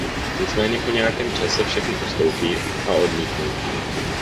Nicméně po nějakém čase všechny ustoupí a odmítnou.